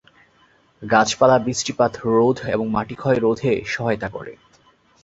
গাছপালা বৃষ্টিপাত রোধ এবং মাটির ক্ষয় রোধে সহায়তা করে।